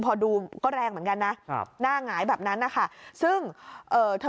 พอดูก็แรงเหมือนกันนะครับหน้าหงายแบบนั้นนะคะซึ่งเอ่อเธอ